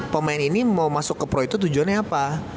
pemain ini mau masuk ke pro itu tujuannya apa